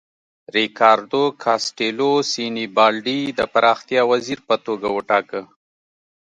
ریکاردو کاسټیلو سینیبالډي د پراختیا وزیر په توګه وټاکه.